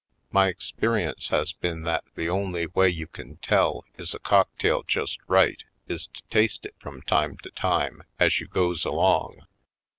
My experience has been that the only way you can tell is a cocktail just right is to taste it from time to time as you goes along.